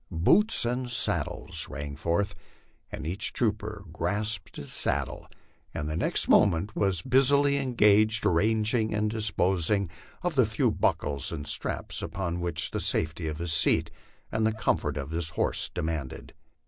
*' Boots and saddles " rang forth, and each trooper grasped his saddle, and the next moment was busily engaged arranging and disposing of the few buckles and straps upon which the safety of his seat and the comfort of his horse depended.